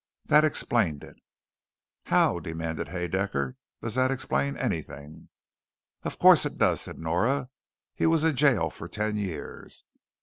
That explained it." "How?" demanded Haedaecker, "does that explain anything?" "Of course it does," said Nora. "He was in jail for ten years.